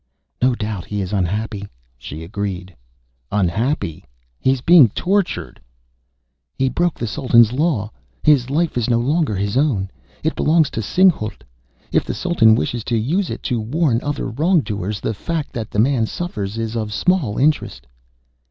"No doubt he is unhappy," she agreed. "Unhappy! He's being tortured!" "He broke the Sultan's law. His life is no longer his own. It belongs to Singhalût. If the Sultan wishes to use it to warn other wrongdoers, the fact that the man suffers is of small interest."